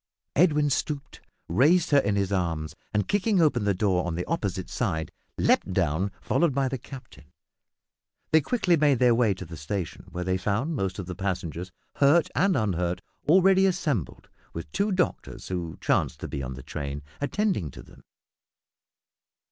Edwin stooped, raised her in his arms, and, kicking open the door on the opposite side, leaped down, followed by the captain. They quickly made their way to the station, where they found most of the passengers, hurt and unhurt, already assembled, with two doctors, who chanced to be in the train, attending to them.